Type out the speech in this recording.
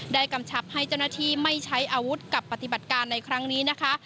กำชับให้เจ้าหน้าที่ไม่ใช้อาวุธกับปฏิบัติการในครั้งนี้นะคะ